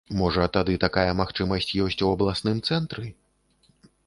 Можа тады такая магчымасць ёсць у абласным цэнтры?